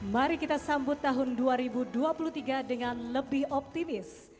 mari kita sambut tahun dua ribu dua puluh tiga dengan lebih optimis